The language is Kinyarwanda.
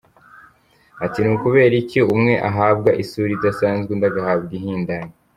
Ati “Ni ukubera iki umwe ahabwa isura idasanzwe undi agahabwa ihindanye ?”